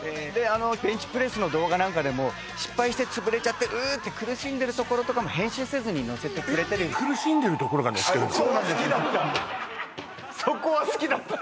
あのベンチプレスの動画なんかでも失敗して潰れちゃってううーって苦しんでるところとかも編集せずに載せてくれてるそこは好きだった